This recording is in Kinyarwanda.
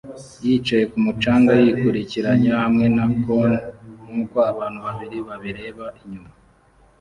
yicaye kumu canga yikurikiranya hamwe na cones nkuko abantu babiri babireba inyuma